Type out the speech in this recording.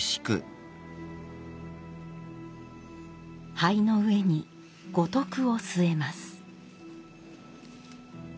灰の上に五徳を据えます。